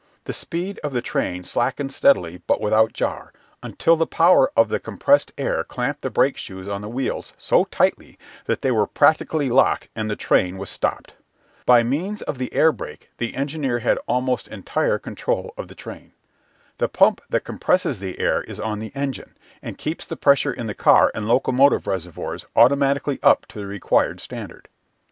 The speed of the train slackened steadily but without jar, until the power of the compressed air clamped the brake shoes on the wheels so tightly that they were practically locked and the train was stopped. By means of the air brake the engineer had almost entire control of the train. The pump that compresses the air is on the engine, and keeps the pressure in the car and locomotive reservoirs automatically up to the required standard.